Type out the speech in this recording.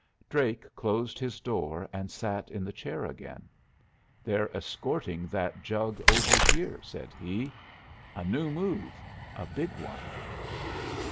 Drake closed his door and sat in the chair again. "They're escorting that jug over here," said he. "A new move, and a big one."